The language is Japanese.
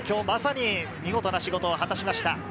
まさに見事な仕事を果たしました